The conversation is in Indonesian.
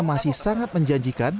masih sangat menjanjikan